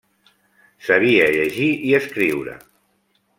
Sabia llegir i escriure.